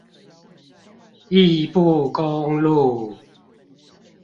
義布公路